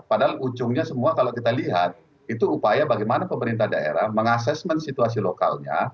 padahal ujungnya semua kalau kita lihat itu upaya bagaimana pemerintah daerah mengasessment situasi lokalnya